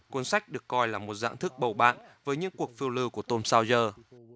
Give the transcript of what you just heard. cuốn sách được coi là một dạng thức bầu bạn với những cuộc phiêu lưu của tom sawyer